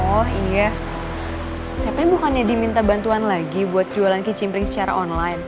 oh iya tete bukannya diminta bantuan lagi buat jualan kicim ring secara online